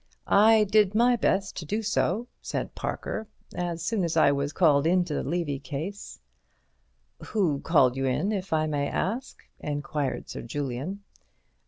"I did my best to do so," said Parker, "as soon as I was called in to the Levy case—" "Who called you in, if I may ask?" enquired Sir Julian.